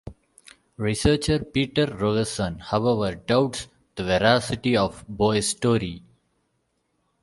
Researcher Peter Rogerson, however, doubts the veracity of Boas' story.